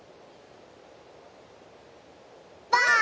ばあっ！